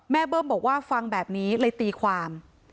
เบิ้มบอกว่าฟังแบบนี้เลยตีความ